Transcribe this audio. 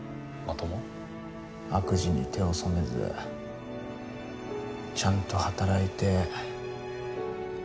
悪事に手を染めずちゃんと働いて。